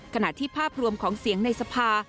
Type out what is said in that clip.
ขณะที่ภาพรวมของเสียงในสภา